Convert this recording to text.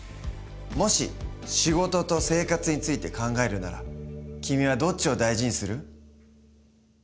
もし仕事と生活について考えるなら君はどっちを大事にする？